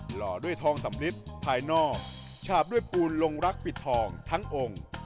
หล่อด้วยทองสำลิดภายนอกฉาบด้วยปูนลงรักปิดทองทั้งองค์